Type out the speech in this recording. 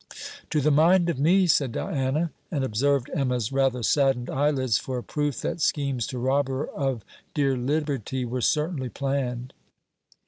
'To the mind of me,' said Diana, and observed Emma's rather saddened eyelids for a proof that schemes to rob her of dear liberty were certainly planned.